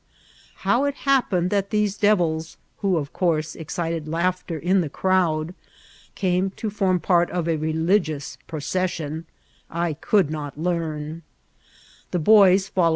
How it hi4>pened that these devils, who, of ooorse, ex* cited laughter in the crowd, came to fcHcm part of a ret Ugioos {Hrocession, I coidd not karn« The bojs follow*